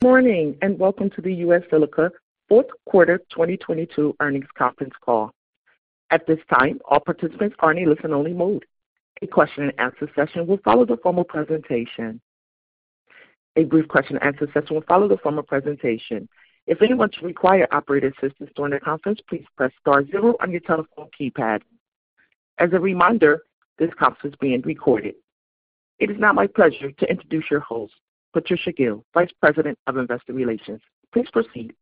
Good morning, welcome to the U.S. Silica fourth quarter 2022 Earnings Conference Call. At this time, all participants are in a listen-only mode. A question and answer session will follow the formal presentation. A brief question and answer session will follow the formal presentation. If anyone should require operator assistance during the conference, please press star zero on your telephone keypad. As a reminder, this conference is being recorded. It is now my pleasure to introduce your host, Patricia Gil, Vice President of Investor Relations. Please proceed.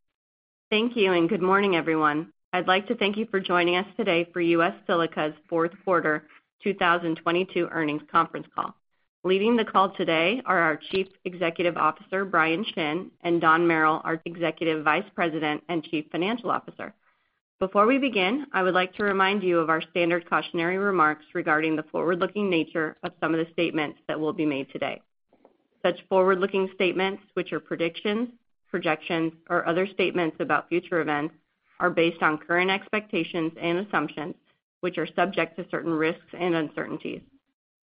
Thank you. Good morning, everyone. I'd like to thank you for joining us today for U.S. Silica's fourth quarter 2022 earnings conference call. Leading the call today are our Chief Executive Officer, Bryan Shinn, and Don Merrill, our Executive Vice President and Chief Financial Officer. Before we begin, I would like to remind you of our standard cautionary remarks regarding the forward-looking nature of some of the statements that will be made today. Such forward-looking statements, which are predictions, projections, or other statements about future events, are based on current expectations and assumptions, which are subject to certain risks and uncertainties.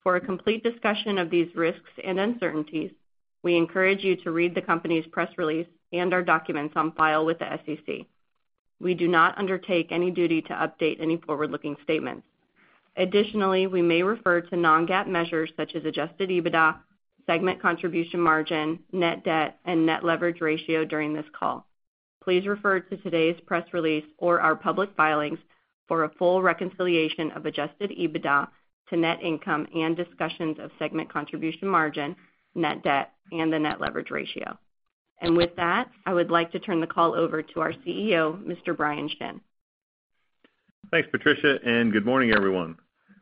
For a complete discussion of these risks and uncertainties, we encourage you to read the company's press release and our documents on file with the SEC. We do not undertake any duty to update any forward-looking statements. Additionally, we may refer to non-GAAP measures such as Adjusted EBITDA, segment contribution margin, net debt, and net leverage ratio during this call. Please refer to today's press release or our public filings for a full reconciliation of Adjusted EBITDA to net income and discussions of segment contribution margin, net debt, and the net leverage ratio. With that, I would like to turn the call over to our CEO, Mr. Bryan Shinn. Thanks, Patricia. Good morning, everyone.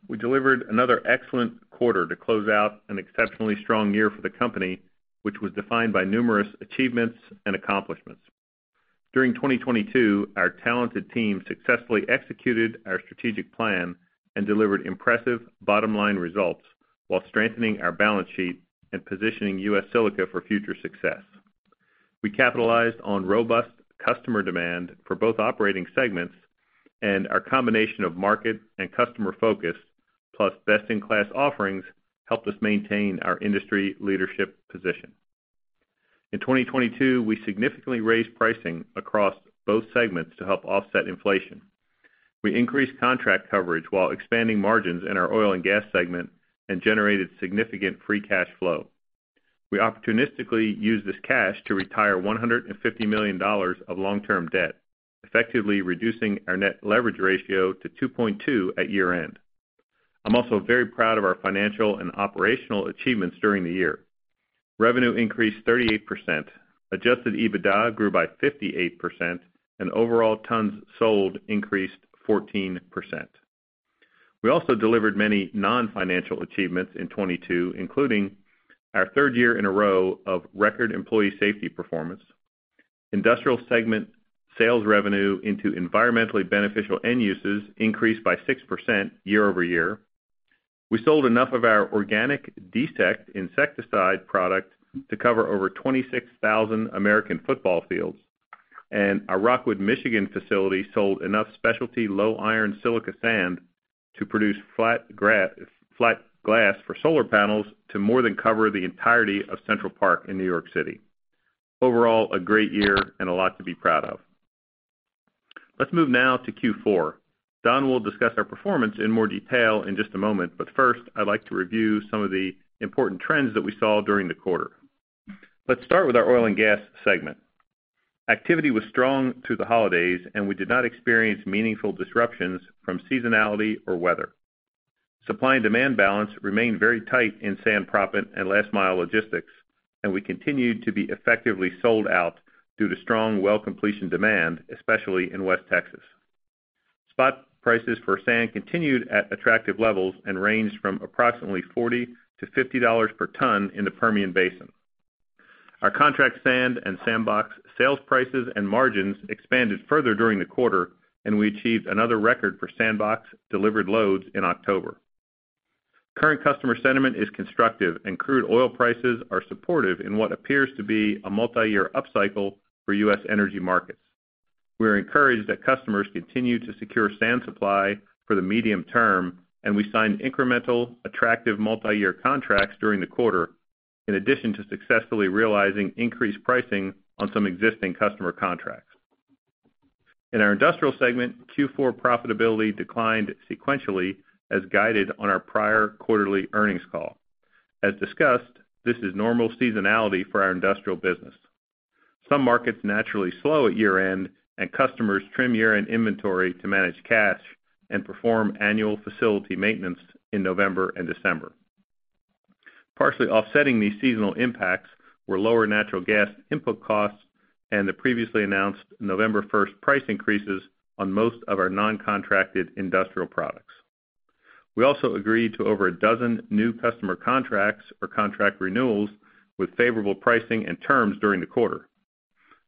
We delivered another excellent quarter to close out an exceptionally strong year for the company, which was defined by numerous achievements and accomplishments. During 2022, our talented team successfully executed our strategic plan and delivered impressive bottom-line results while strengthening our balance sheet and positioning U.S. Silica for future success. We capitalized on robust customer demand for both operating segments. Our combination of market and customer focus, plus best-in-class offerings helped us maintain our industry leadership position. In 2022, we significantly raised pricing across both segments to help offset inflation. We increased contract coverage while expanding margins in our oil and gas segment and generated significant free cash flow. We opportunistically used this cash to retire $150 million of long-term debt, effectively reducing our net leverage ratio to 2.2 at year-end. I'm also very proud of our financial and operational achievements during the year. Revenue increased 38%, Adjusted EBITDA grew by 58%, and overall tons sold increased 14%. We also delivered many non-financial achievements in 2022, including our third year in a row of record employee safety performance. Industrial segment sales revenue into environmentally beneficial end uses increased by 6% year-over-year. We sold enough of our organic DEsect insecticide product to cover over 26,000 American football fields. Our Rockwood, Michigan facility sold enough specialty low iron silica sand to produce flat glass for solar panels to more than cover the entirety of Central Park in New York City. Overall, a great year and a lot to be proud of. Let's move now to Q4. Don will discuss our performance in more detail in just a moment, but first, I'd like to review some of the important trends that we saw during the quarter. Let's start with our oil and gas segment. Activity was strong through the holidays, and we did not experience meaningful disruptions from seasonality or weather. Supply and demand balance remained very tight in sand proppant and last mile logistics, and we continued to be effectively sold out due to strong well completion demand, especially in West Texas. Spot prices for sand continued at attractive levels and ranged from approximately $40-$50 per ton in the Permian Basin. Our contract sand and SandBox sales prices and margins expanded further during the quarter, and we achieved another record for SandBox delivered loads in October. Current customer sentiment is constructive and crude oil prices are supportive in what appears to be a multi-year upcycle for U.S. energy markets. We are encouraged that customers continue to secure sand supply for the medium term, and we signed incremental attractive multi-year contracts during the quarter, in addition to successfully realizing increased pricing on some existing customer contracts. In our industrial segment, Q4 profitability declined sequentially as guided on our prior quarterly earnings call. As discussed, this is normal seasonality for our industrial business. Some markets naturally slow at year-end, and customers trim year-end inventory to manage cash and perform annual facility maintenance in November and December. Partially offsetting these seasonal impacts were lower natural gas input costs and the previously announced November 1st price increases on most of our non-contracted industrial products. We also agreed to over a dozen new customer contracts or contract renewals with favorable pricing and terms during the quarter.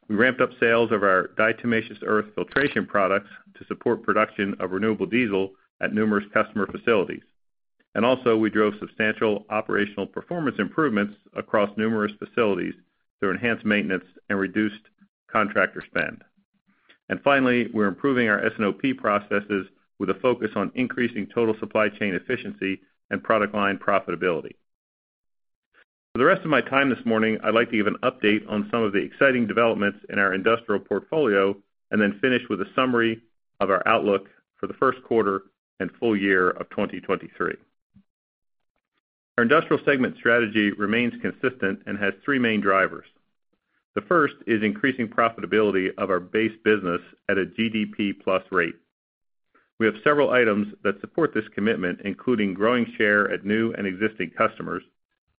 We ramped up sales of our diatomaceous earth filtration products to support production of renewable diesel at numerous customer facilities. Also we drove substantial operational performance improvements across numerous facilities through enhanced maintenance and reduced contractor spend. Finally, we're improving our S&OP processes with a focus on increasing total supply chain efficiency and product line profitability. For the rest of my time this morning, I'd like to give an update on some of the exciting developments in our industrial portfolio, and then finish with a summary of our outlook for the first quarter and full year of 2023. Our industrial segment strategy remains consistent and has three main drivers. The first is increasing profitability of our base business at a GDP-plus rate. We have several items that support this commitment, including growing share at new and existing customers,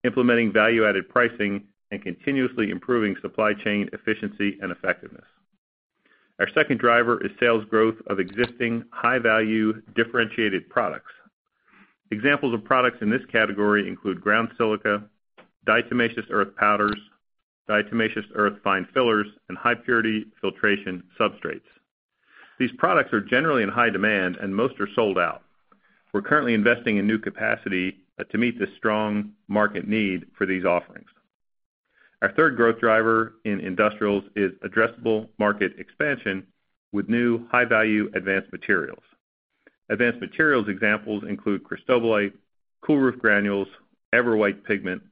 implementing value-added pricing, and continuously improving supply chain efficiency and effectiveness. Our second driver is sales growth of existing high-value differentiated products. Examples of products in this category include ground silica, diatomaceous earth powders, diatomaceous earth fine fillers, and high-purity filtration substrates. These products are generally in high demand, and most are sold out. We're currently investing in new capacity to meet the strong market need for these offerings. Our third growth driver in industrials is addressable market expansion with new high-value advanced materials. Advanced materials examples include cristobalite, cool roof granules, EverWhite pigment,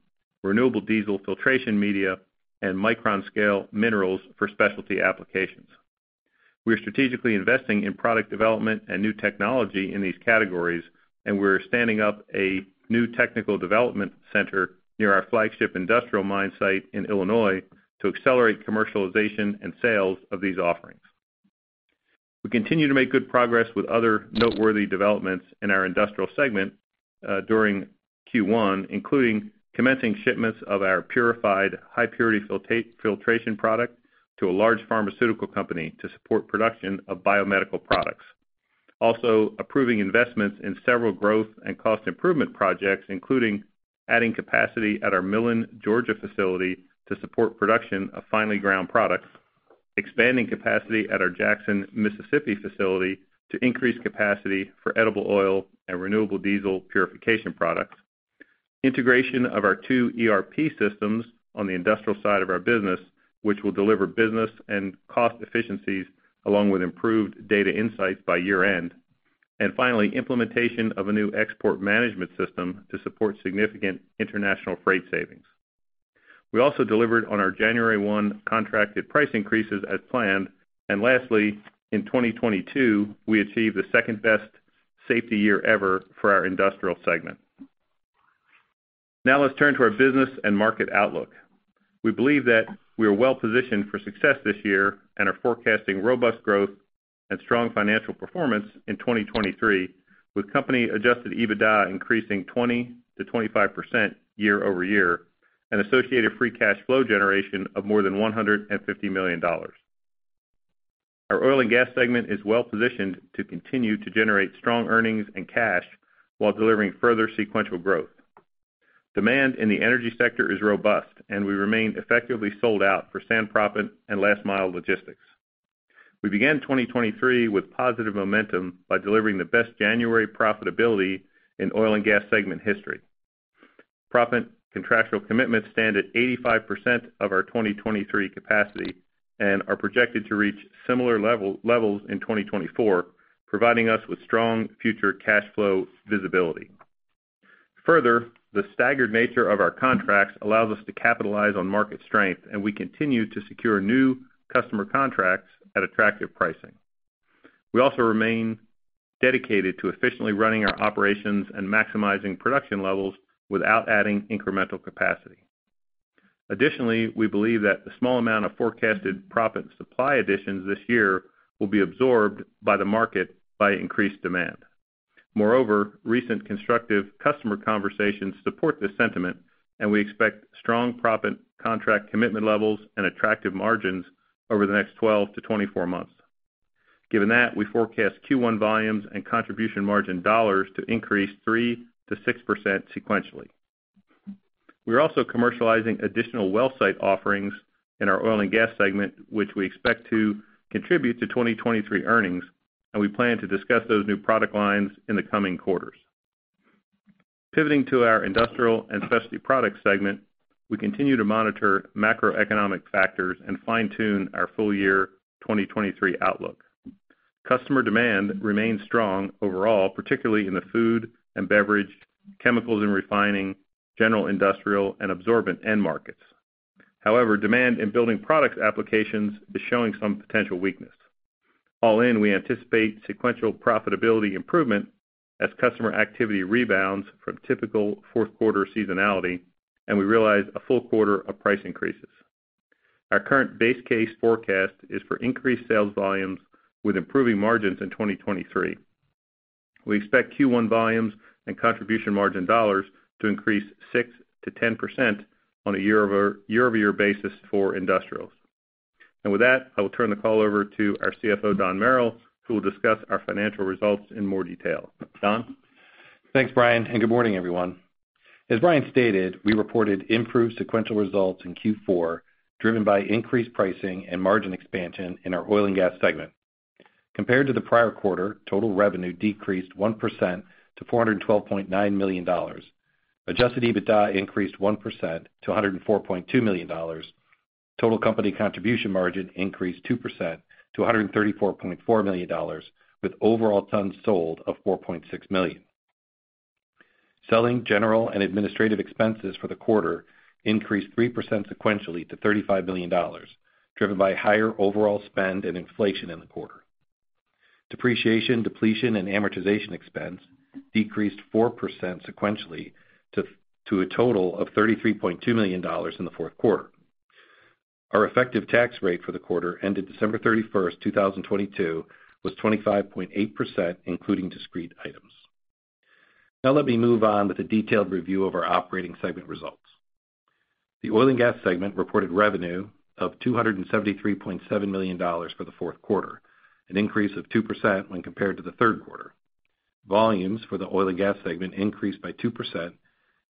renewable diesel filtration media, and micron-scale minerals for specialty applications. We are strategically investing in product development and new technology in these categories, and we're standing up a new technical development center near our flagship industrial mine site in Illinois to accelerate commercialization and sales of these offerings. We continue to make good progress with other noteworthy developments in our industrial segment during Q1, including commencing shipments of our purified high-purity filtration product to a large pharmaceutical company to support production of biomedical products. Approving investments in several growth and cost improvement projects, including adding capacity at our Millen, Georgia facility to support production of finely ground products. Expanding capacity at our Jackson, Mississippi facility to increase capacity for edible oil and renewable diesel purification products. Integration of our 2 ERP systems on the industrial side of our business, which will deliver business and cost efficiencies, along with improved data insights by year-end. Finally, implementation of a new export management system to support significant international freight savings. We also delivered on our January 1 contracted price increases as planned. Lastly, in 2022, we achieved the second-best safety year ever for our industrial segment. Let's turn to our business and market outlook. We believe that we are well positioned for success this year and are forecasting robust growth and strong financial performance in 2023, with company Adjusted EBITDA increasing 20%-25% year over year, and associated free cash flow generation of more than $150 million. Our oil and gas segment is well positioned to continue to generate strong earnings and cash while delivering further sequential growth. Demand in the energy sector is robust, and we remain effectively sold out for sand proppant and last-mile logistics. We began 2023 with positive momentum by delivering the best January profitability in oil and gas segment history. Proppant contractual commitments stand at 85% of our 2023 capacity and are projected to reach similar levels in 2024, providing us with strong future cash flow visibility. The staggered nature of our contracts allows us to capitalize on market strength, and we continue to secure new customer contracts at attractive pricing. We also remain dedicated to efficiently running our operations and maximizing production levels without adding incremental capacity. Additionally, we believe that the small amount of forecasted proppant supply additions this year will be absorbed by the market by increased demand. Recent constructive customer conversations support this sentiment, and we expect strong proppant contract commitment levels and attractive margins over the next 12-24 months. Given that, we forecast Q1 volumes and contribution margin dollars to increase 3%-6% sequentially. We're also commercializing additional well site offerings in our oil and gas segment, which we expect to contribute to 2023 earnings, and we plan to discuss those new product lines in the coming quarters. Pivoting to our industrial and specialty products segment, we continue to monitor macroeconomic factors and fine-tune our full year 2023 outlook. Customer demand remains strong overall, particularly in the food and beverage, chemicals and refining, general industrial, and absorbent end markets. However, demand in building products applications is showing some potential weakness. All in, we anticipate sequential profitability improvement as customer activity rebounds from typical fourth quarter seasonality, and we realize a full quarter of price increases. Our current base case forecast is for increased sales volumes with improving margins in 2023. We expect Q1 volumes and contribution margin dollars to increase 6%-10% on a year-over-year basis for industrials. With that, I will turn the call over to our CFO, Don Merrill, who will discuss our financial results in more detail. Don? Thanks, Bryan, good morning, everyone. As Bryan stated, we reported improved sequential results in Q4, driven by increased pricing and margin expansion in our oil and gas segment. Compared to the prior quarter, total revenue decreased 1% to $412.9 million. Adjusted EBITDA increased 1% to $104.2 million. Total company contribution margin increased 2% to $134.4 million, with overall tons sold of 4.6 million. Selling, general, and administrative expenses for the quarter increased 3% sequentially to $35 million, driven by higher overall spend and inflation in the quarter. Depreciation, depletion, and amortization expense decreased 4% sequentially to a total of $33.2 million in the fourth quarter. Our effective tax rate for the quarter ended December 31st, 2022, was 25.8%, including discrete items. Let me move on with a detailed review of our operating segment results. The Oil and Gas segment reported revenue of $273.7 million for the fourth quarter, an increase of 2% when compared to the Third quarter. Volumes for the Oil and Gas segment increased by 2%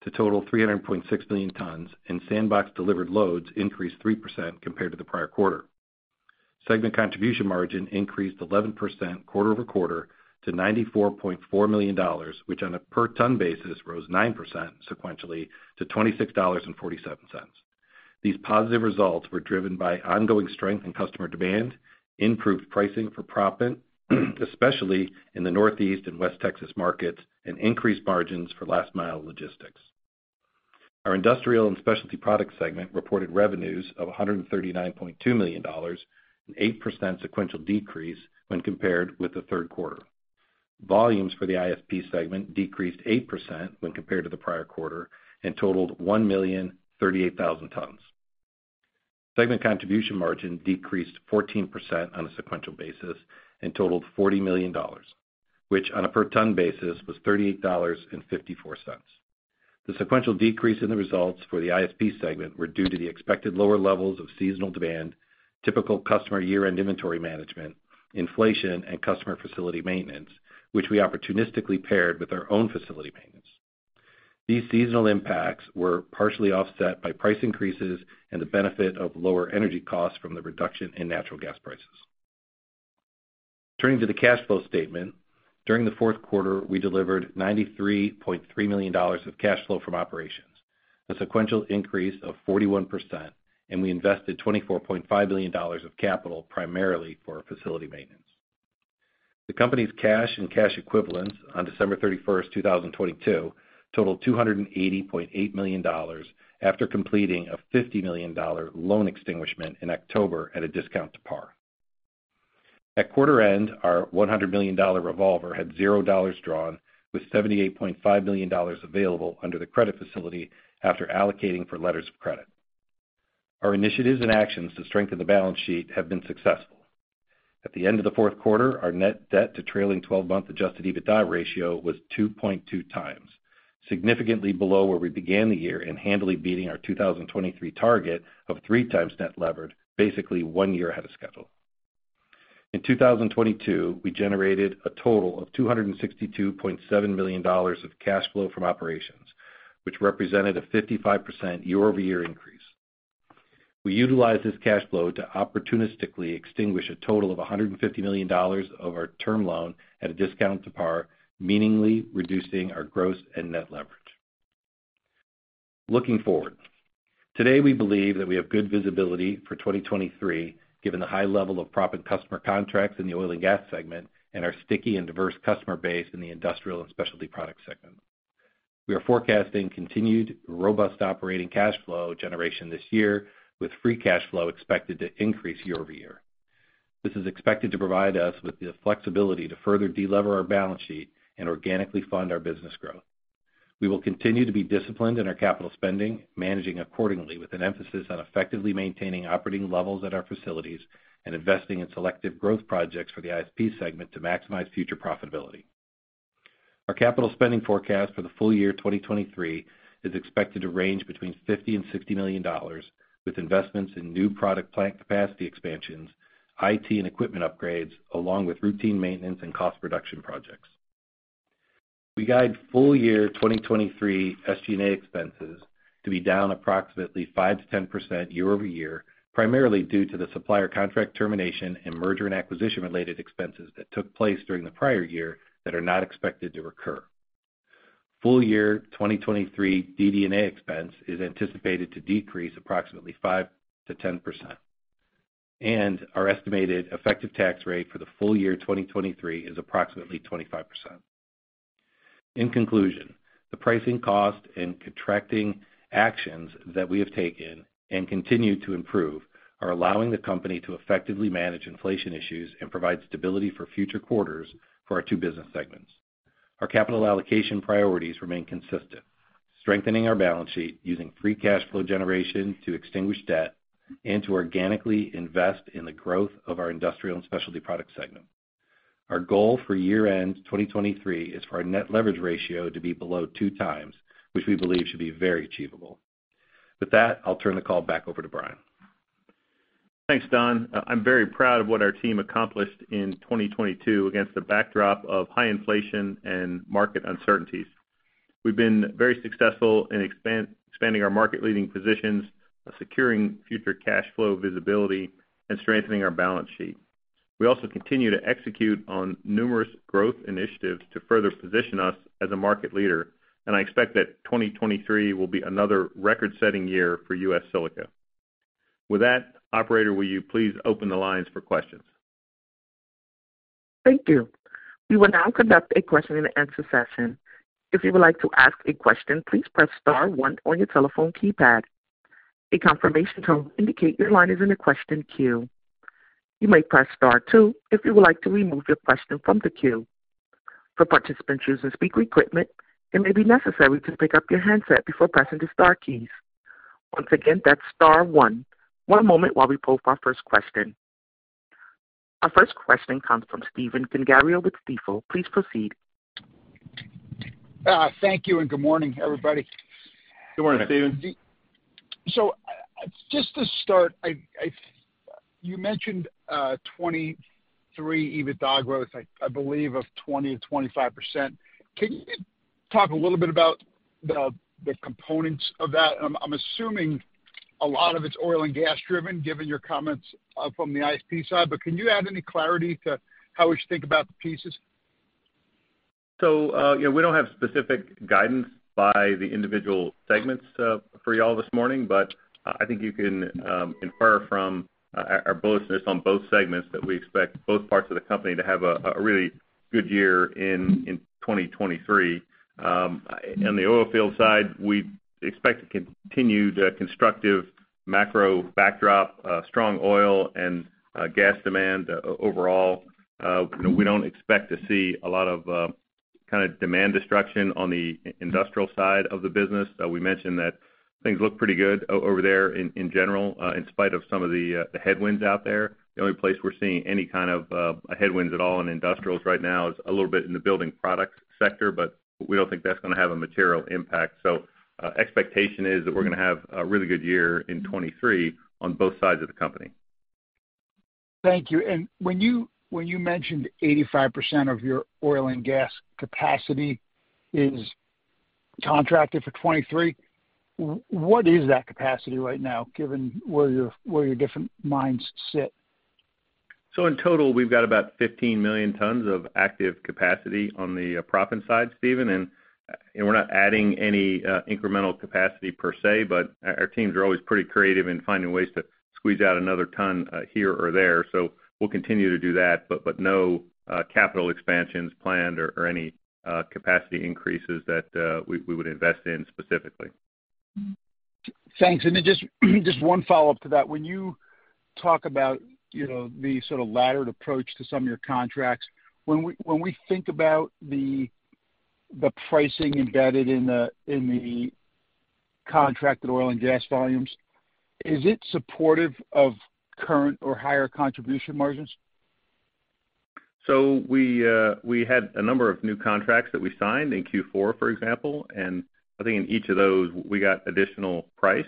to total 300.6 million tons, and SandBox delivered loads increased 3% compared to the prior quarter. Segment contribution margin increased 11% quarter-over-quarter to $94.4 million, which on a per ton basis rose 9% sequentially to $26.47. These positive results were driven by ongoing strength in customer demand, improved pricing for proppant, especially in the Northeast and West Texas markets, and increased margins for last mile logistics. Our industrial and specialty product segment reported revenues of $139.2 million, an 8% sequential decrease when compared with the third quarter. Volumes for the ISP segment decreased 8% when compared to the prior quarter and totaled 1,038,000 tons. Segment contribution margin decreased 14% on a sequential basis and totaled $40 million, which on a per ton basis was $38.54. The sequential decrease in the results for the ISP segment were due to the expected lower levels of seasonal demand, typical customer year-end inventory management, inflation, and customer facility maintenance, which we opportunistically paired with our own facility maintenance. These seasonal impacts were partially offset by price increases and the benefit of lower energy costs from the reduction in natural gas prices. Turning to the cash flow statement. During the fourth quarter, we delivered $93.3 million of cash flow from operations, a sequential increase of 41%, and we invested $24.5 million of capital primarily for facility maintenance. The company's cash and cash equivalents on December 31, 2022, totaled $280.8 million after completing a $50 million loan extinguishment in October at a discount to par. At quarter end, our $100 million revolver had $0 drawn with $78.5 million available under the credit facility after allocating for letters of credit. Our initiatives and actions to strengthen the balance sheet have been successful. At the end of the fourth quarter, our net debt to trailing twelve-month Adjusted EBITDA ratio was 2.2x, significantly below where we began the year and handily beating our 2023 target of 3x net levered, basically one year ahead of schedule. In 2022, we generated a total of $262.7 million of cash flow from operations, which represented a 55% year-over-year increase. We utilized this cash flow to opportunistically extinguish a total of $150 million of our term loan at a discount to par, meaningfully reducing our gross and net leverage. Looking forward, today, we believe that we have good visibility for 2023, given the high level of proppant customer contracts in the oil and gas segment and our sticky and diverse customer base in the industrial and specialty products segment. We are forecasting continued robust operating cash flow generation this year, with free cash flow expected to increase year-over-year. This is expected to provide us with the flexibility to further delever our balance sheet and organically fund our business growth. We will continue to be disciplined in our capital spending, managing accordingly with an emphasis on effectively maintaining operating levels at our facilities and investing in selective growth projects for the ISP segment to maximize future profitability. Our capital spending forecast for the full year 2023 is expected to range between $50 million-$60 million, with investments in new product plant capacity expansions, IT and equipment upgrades, along with routine maintenance and cost reduction projects. We guide full year 2023 SG&A expenses to be down approximately 5%-10% year-over-year, primarily due to the supplier contract termination and merger and acquisition-related expenses that took place during the prior year that are not expected to recur. Full year 2023 DD&A expense is anticipated to decrease approximately 5%-10%, and our estimated effective tax rate for the full year 2023 is approximately 25%. In conclusion, the pricing cost and contracting actions that we have taken and continue to improve are allowing the company to effectively manage inflation issues and provide stability for future quarters for our two business segments. Our capital allocation priorities remain consistent, strengthening our balance sheet using free cash flow generation to extinguish debt and to organically invest in the growth of our industrial and specialty product segment. Our goal for year-end 2023 is for our net leverage ratio to be below 2x, which we believe should be very achievable. With that, I'll turn the call back over to Bryan. Thanks, Don. I'm very proud of what our team accomplished in 2022 against the backdrop of high inflation and market uncertainties. We've been very successful in expanding our market leading positions, securing future cash flow visibility, and strengthening our balance sheet. We also continue to execute on numerous growth initiatives to further position us as a market leader. I expect that 2023 will be another record-setting year for U.S. Silica. With that, operator, will you please open the lines for questions? Thank you. We will now conduct a question-and-answer session. If you would like to ask a question, please press star one on your telephone keypad. A confirmation tone will indicate your line is in the question queue. You may press star two if you would like to remove your question from the queue. For participants using speaker equipment, it may be necessary to pick up your handset before pressing the star keys. Once again, that's star one. One moment while we pull up our first question. Our first question comes from Stephen Gengaro with Stifel. Please proceed. Thank you, and good morning, everybody. Good morning, Stephen. Just to start, you mentioned 2023 EBITDA growth, I believe, of 20%-25%. Can you talk a little bit about the components of that? I'm assuming a lot of it's oil and gas driven, given your comments from the ISP side, but can you add any clarity to how we should think about the pieces? You know, we don't have specific guidance by the individual segments for y'all this morning, but I think you can infer from our bullishness on both segments that we expect both parts of the company to have a really good year in 2023. On the oil field side, we expect a continued constructive macro backdrop, strong oil and gas demand overall. You know, we don't expect to see a lot of kind of demand destruction on the industrial side of the business. We mentioned that things look pretty good over there in general, in spite of some of the headwinds out there. The only place we're seeing any kind of, headwinds at all in industrials right now is a little bit in the building products sector, but we don't think that's gonna have a material impact. Expectation is that we're gonna have a really good year in 2023 on both sides of the company. Thank you. When you mentioned 85% of your oil and gas capacity is contracted for 2023, what is that capacity right now, given where your different mines sit? In total, we've got about 15 million tons of active capacity on the proppant side, Stephen. We're not adding any incremental capacity per se, but our teams are always pretty creative in finding ways to squeeze out another ton here or there. We'll continue to do that. No capital expansions planned or any capacity increases that we would invest in specifically. Thanks. Just one follow-up to that. When you talk about, you know, the sort of laddered approach to some of your contracts, when we think about the pricing embedded in the contracted oil and gas volumes, is it supportive of current or higher contribution margins? We had a number of new contracts that we signed in Q4, for example. I think in each of those, we got additional price.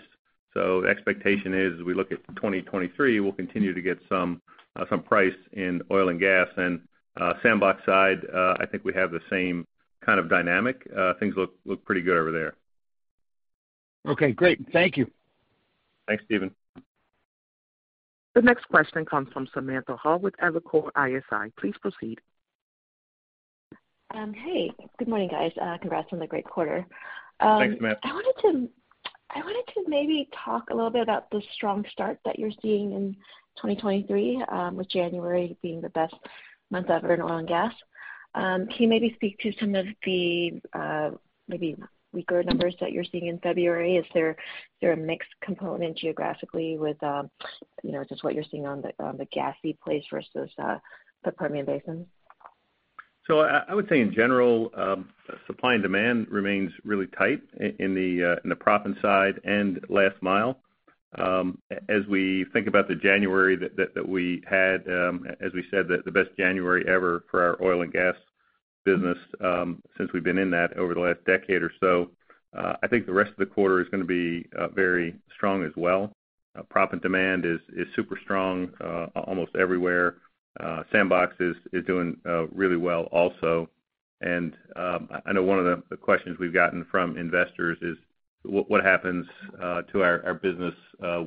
The expectation is, as we look at 2023, we'll continue to get some price in oil and gas. SandBox side, I think we have the same kind of dynamic. Things look pretty good over there. Okay, great. Thank you. Thanks, Stephen. The next question comes from Samantha Hoh with Evercore ISI. Please proceed. Hey. Good morning, guys. Congrats on the great quarter. Thanks, Sam. I wanted to maybe talk a little bit about the strong start that you're seeing in 2023 with January being the best month ever in oil and gas. Can you maybe speak to some of the maybe weaker numbers that you're seeing in February? Is there a mixed component geographically with, you know, just what you're seeing on the gassy plays versus the Permian Basin? I would say in general, supply and demand remains really tight in the proppant side and last mile. As we think about the January that we had, as we said, the best January ever for our oil and gas business, since we've been in that over the last decade or so, I think the rest of the quarter is gonna be very strong as well. Proppant demand is super strong, almost everywhere. SandBox is doing really well also. I know one of the questions we've gotten from investors is what happens to our business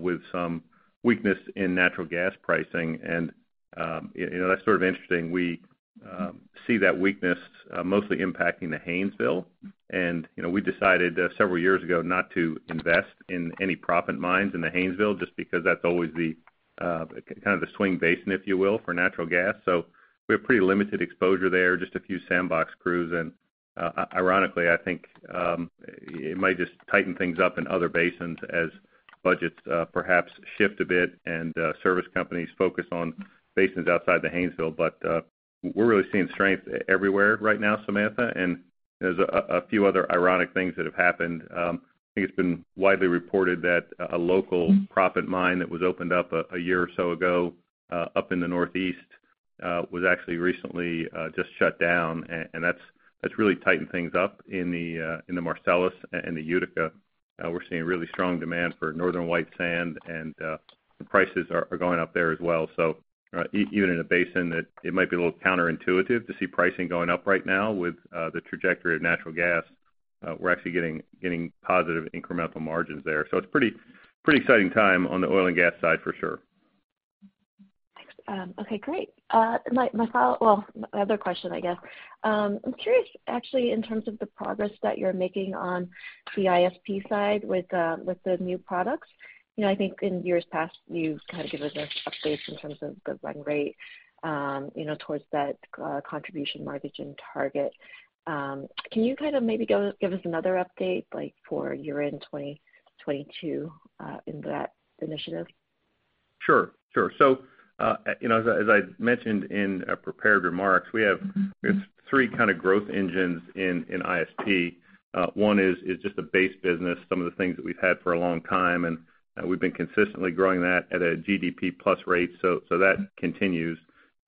with some weakness in natural gas pricing. You know, that's sort of interesting. We see that weakness mostly impacting the Haynesville. You know, we decided several years ago not to invest in any proppant mines in the Haynesville just because that's always the kind of the swing basin, if you will, for natural gas. We have pretty limited exposure there, just a few SandBox crews. Ironically, I think it might just tighten things up in other basins as budgets perhaps shift a bit and service companies focus on basins outside the Haynesville. We're really seeing strength everywhere right now, Samantha, and there's a few other ironic things that have happened. I think it's been widely reported that a local proppant mine that was opened up a year or so ago up in the Northeast was actually recently just shut down. That's really tightened things up in the Marcellus and the Utica. We're seeing really strong demand for Northern White Sand, and the prices are going up there as well. Even in a basin that it might be a little counterintuitive to see pricing going up right now with the trajectory of natural gas, we're actually getting positive incremental margins there. It's pretty exciting time on the oil and gas side for sure. Thanks. Okay, great. My other question, I guess. I'm curious actually in terms of the progress that you're making on the ISP side with the new products. You know, I think in years past, you've kind of given us updates in terms of the run rate, you know, towards that contribution margin target. Can you kind of maybe give us another update, like, for year-end 2022 in that initiative? Sure. Sure. You know, as I mentioned in prepared remarks, we have three kind of growth engines in ISP. One is just a base business, some of the things that we've had for a long time, and we've been consistently growing that at a GDP plus rate. That continues.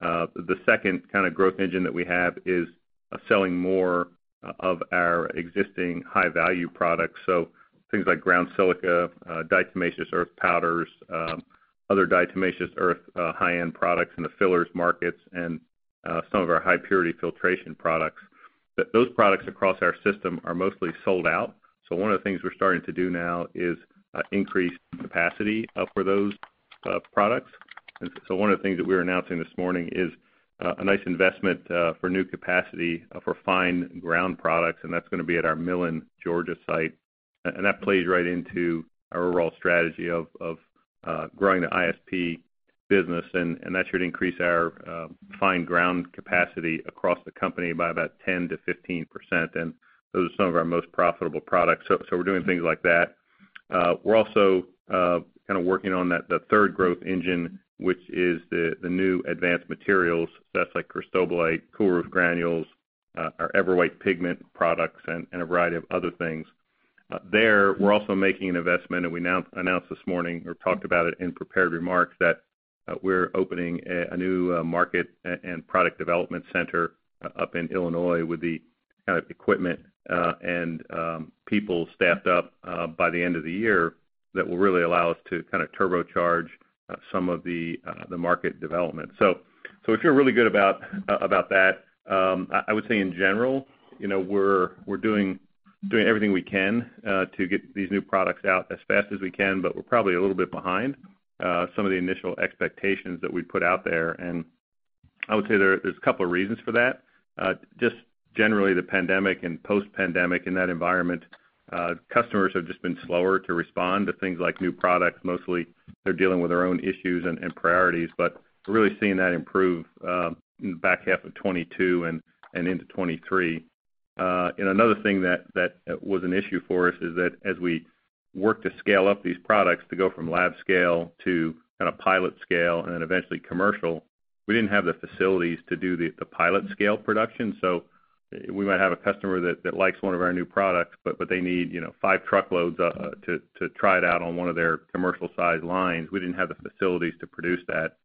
The second kind of growth engine that we have is selling more of our existing high-value products. Things like ground silica, diatomaceous earth powders, other diatomaceous earth, high-end products in the fillers markets and some of our high purity filtration products. Those products across our system are mostly sold out, so one of the things we're starting to do now is increase capacity for those products. One of the things that we're announcing this morning is a nice investment for new capacity for fine ground products, and that's gonna be at our Millen, Georgia site. That plays right into our overall strategy of growing the ISP business, and that should increase our fine ground capacity across the company by about 10%-15%. Those are some of our most profitable products. We're doing things like that. We're also kind of working on that, the third growth engine, which is the new advanced materials that's like cristobalite, cool roof granules, our EverWhite pigment products, and a variety of other things. There, we're also making an investment, and we announced this morning or talked about it in prepared remarks, that we're opening a new market and product development center up in Illinois with the kind of equipment and people staffed up by the end of the year that will really allow us to kind of turbocharge some of the market development. We feel really good about that. I would say in general, you know, we're doing everything we can to get these new products out as fast as we can, but we're probably a little bit behind some of the initial expectations that we put out there. I would say there's a couple of reasons for that. Just generally the pandemic and post-pandemic in that environment, customers have just been slower to respond to things like new products. Mostly, they're dealing with their own issues and priorities, but we're really seeing that improve in the back half of 22 and into 23. Another thing that was an issue for us is that as we work to scale up these products to go from lab scale to kind of pilot scale and then eventually commercial, we didn't have the facilities to do the pilot scale production. We might have a customer that likes one of our new products, but they need, you know, five truckloads to try it out on one of their commercial-sized lines. We didn't have the facilities to produce that.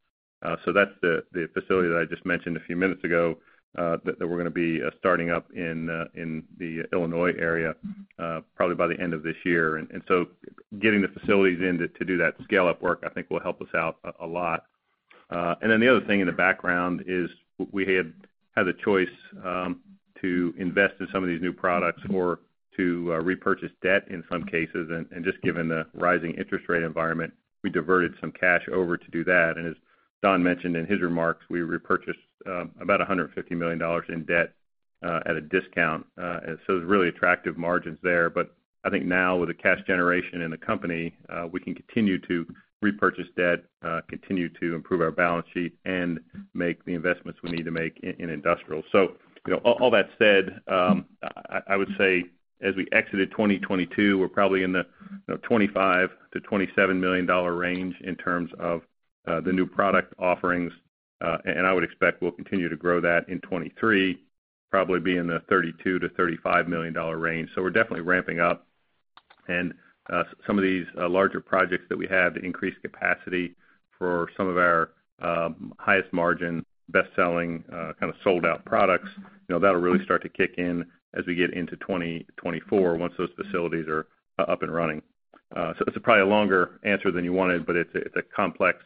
That's the facility that I just mentioned a few minutes ago, that we're gonna be starting up in the Illinois area, probably by the end of this year. Getting the facilities in to do that scale-up work, I think will help us out a lot. The other thing in the background is we had the choice to invest in some of these new products or to repurchase debt in some cases. Just given the rising interest rate environment, we diverted some cash over to do that. As Don Merrill mentioned in his remarks, we repurchased about $150 million in debt at a discount. There's really attractive margins there. I think now with the cash generation in the company, we can continue to repurchase debt, continue to improve our balance sheet and make the investments we need to make in industrial. You know, all that said, I would say as we exited 2022, we're probably in the, you know, $25 million-$27 million range in terms of the new product offerings. I would expect we'll continue to grow that in 2023, probably be in the $32 million-$35 million range. We're definitely ramping up. Some of these larger projects that we have to increase capacity for some of our highest margin, best-selling, kind of sold out products, you know, that'll really start to kick in as we get into 2024 once those facilities are up and running. It's probably a longer answer than you wanted, but it's a, it's a complex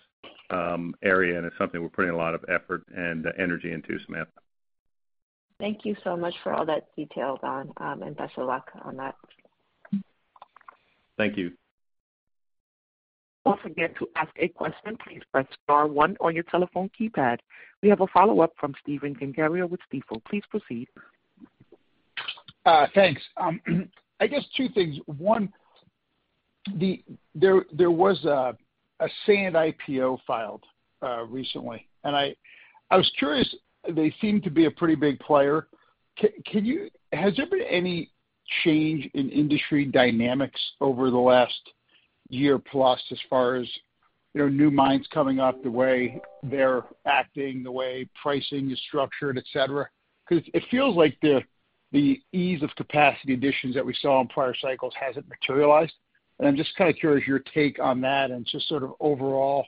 area, and it's something we're putting a lot of effort and energy into, Samantha. Thank you so much for all that detail, Don, and best of luck on that. Thank you. Don't forget to ask a question, please press star one on your telephone keypad. We have a follow-up from Stephen Gengaro with Stifel. Please proceed. Thanks. I guess two things. One, there was a sand IPO filed recently, and I was curious, they seem to be a pretty big player. Has there been any change in industry dynamics over the last year plus as far as, you know, new mines coming up, the way they're acting, the way pricing is structured, et cetera? Because it feels like the ease of capacity additions that we saw in prior cycles hasn't materialized. I'm just kind of curious your take on that and just sort of overall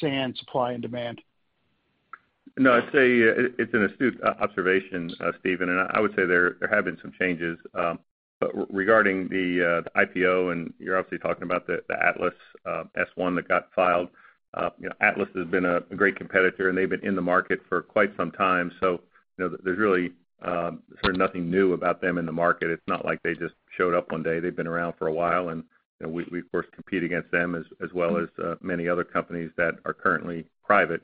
sand supply and demand. No, I'd say it's an astute observation, Stephen, I would say there have been some changes. Regarding the IPO, you're obviously talking about the Atlas S-1 that got filed. You know, Atlas has been a great competitor, they've been in the market for quite some time. You know, there's really sort of nothing new about them in the market. It's not like they just showed up one day. They've been around for a while, we, of course, compete against them as well as many other companies that are currently private.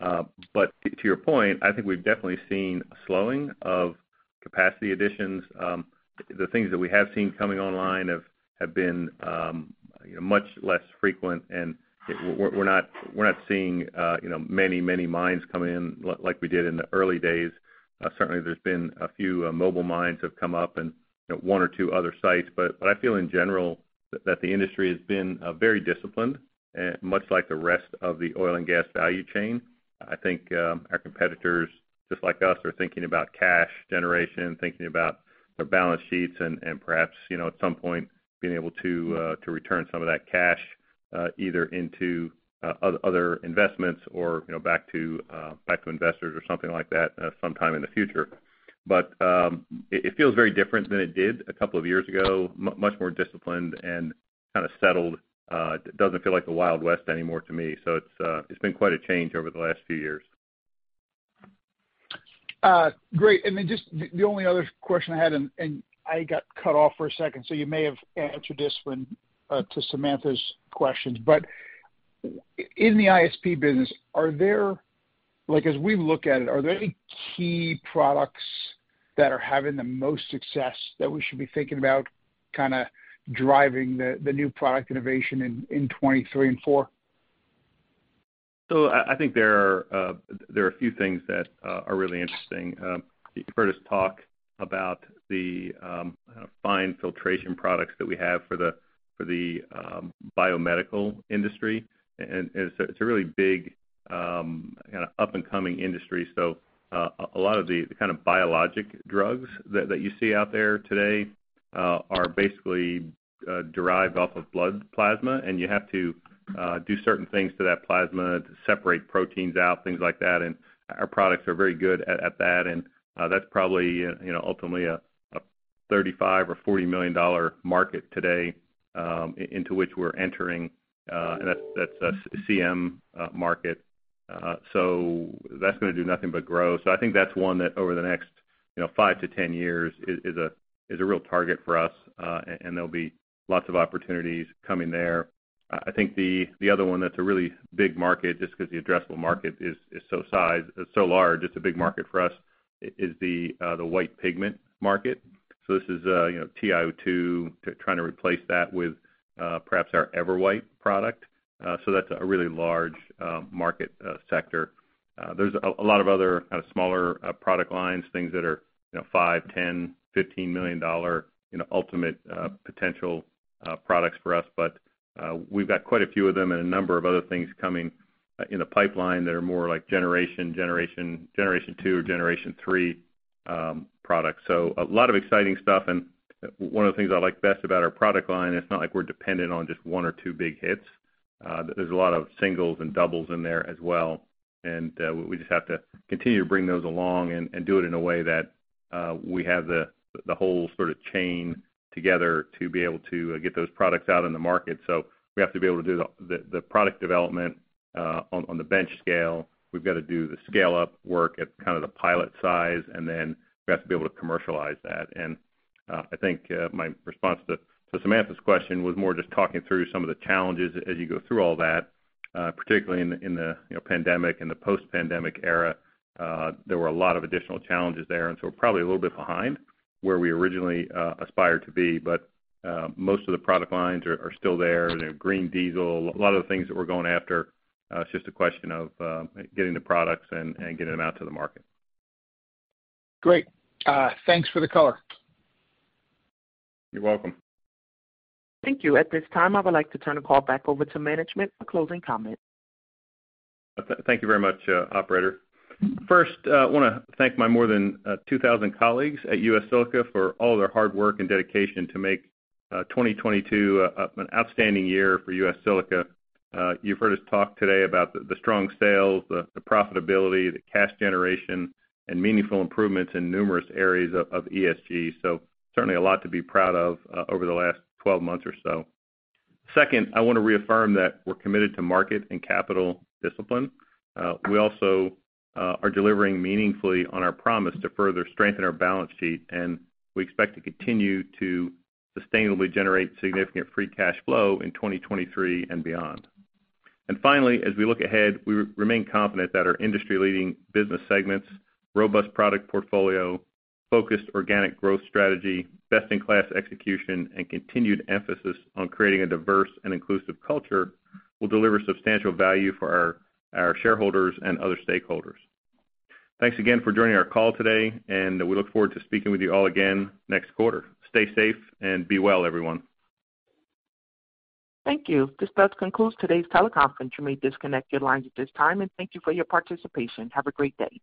To your point, I think we've definitely seen a slowing of capacity additions. The things that we have seen coming online have been, you know, much less frequent, and we're not seeing, you know, many mines come in like we did in the early days. Certainly there's been a few, mobile mines have come up and, you know, one or two other sites. I feel in general that the industry has been very disciplined, much like the rest of the oil and gas value chain. I think our competitors, just like us, are thinking about cash generation, thinking about their balance sheets and perhaps, you know, at some point being able to return some of that cash, either into other investments or, you know, back to investors or something like that, sometime in the future. It feels very different than it did a couple of years ago, much more disciplined and kinda settled. It doesn't feel like the Wild West anymore to me. It's been quite a change over the last few years. Great. Just the only other question I had, and I got cut off for a second, so you may have answered this one to Samantha's questions. In the ISP business, are there... Like, as we look at it, are there any key products that are having the most success that we should be thinking about kinda driving the new product innovation in 2023 and 2024? I think there are a few things that are really interesting. You've heard us talk about the fine filtration products that we have for the biomedical industry. It's a really big kinda up-and-coming industry. A lot of the kind of biologic drugs that you see out there today are basically derived off of blood plasma, and you have to do certain things to that plasma to separate proteins out, things like that, and our products are very good at that. That's probably, you know, ultimately a $35 million-$40 million market today into which we're entering, and that's CM market. That's gonna do nothing but grow. I think that's one that over the next, you know, 5-10 years is a, is a real target for us, and there'll be lots of opportunities coming there. I think the other one that's a really big market, just 'cause the addressable market is so large, it's a big market for us, is the white pigment market. This is, you know, TiO2, trying to replace that with perhaps our EverWhite product. That's a really large market sector. There's a lot of other kinda smaller product lines, things that are, you know, $5 million, $10 million, $15 million, you know, ultimate potential products for us. We've got quite a few of them and a number of other things coming in the pipeline that are more like generation two or generation three products. A lot of exciting stuff. One of the things I like best about our product line, it's not like we're dependent on just one or two big hits. There's a lot of singles and doubles in there as well. We just have to continue to bring those along and do it in a way that we have the whole sort of chain together to be able to get those products out in the market. We have to be able to do the product development on the bench scale. We've got to do the scale-up work at kind of the pilot size, and then we have to be able to commercialize that. I think my response to Samantha's question was more just talking through some of the challenges as you go through all that, particularly in the, you know, pandemic and the post-pandemic era. There were a lot of additional challenges there, and so we're probably a little bit behind where we originally aspired to be. Most of the product lines are still there. You know, green diesel, a lot of the things that we're going after, it's just a question of getting the products and getting them out to the market. Great. Thanks for the color. You're welcome. Thank you. At this time, I would like to turn the call back over to management for closing comments. Thank you very much, operator. First, wanna thank my more than 2,000 colleagues at U.S. Silica for all their hard work and dedication to make 2022 an outstanding year for U.S. Silica. You've heard us talk today about the strong sales, the profitability, the cash generation, and meaningful improvements in numerous areas of ESG. Certainly a lot to be proud of over the last 12 months or so. Second, I wanna reaffirm that we're committed to market and capital discipline. We also are delivering meaningfully on our promise to further strengthen our balance sheet, and we expect to continue to sustainably generate significant free cash flow in 2023 and beyond. Finally, as we look ahead, we remain confident that our industry-leading business segments, robust product portfolio, focused organic growth strategy, best-in-class execution, and continued emphasis on creating a diverse and inclusive culture will deliver substantial value for our shareholders and other stakeholders. Thanks again for joining our call today. We look forward to speaking with you all again next quarter. Stay safe and be well, everyone. Thank you. This does conclude today's teleconference. You may disconnect your lines at this time. Thank you for your participation. Have a great day.